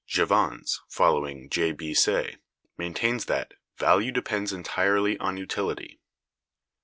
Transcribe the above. Jevons (following J. B. Say) maintains that "value depends entirely on utility."